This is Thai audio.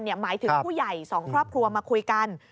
หมายถึงผู้ใหญ่สองครอบครัวมาคุยกัน